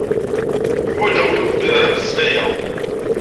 Ḥwajeɣ win wukud ara mmeslayeɣ.